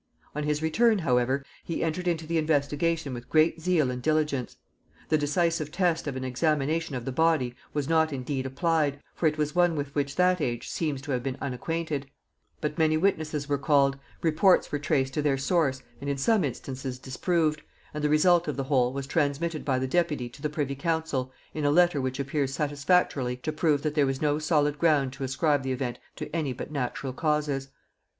On his return, however, he entered into the investigation with great zeal and diligence: the decisive test of an examination of the body was not indeed applied, for it was one with which that age seems to have been unacquainted; but many witnesses were called, reports were traced to their source and in some instances disproved, and the result of the whole was transmitted by the deputy to the privy council in a letter which appears satisfactorily to prove that there was no solid ground to ascribe the event to any but natural causes.